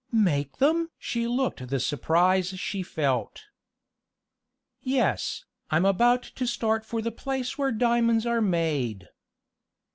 "Make them?" she looked the surprise she felt. "Yes, I'm about to start for the place where diamonds are made."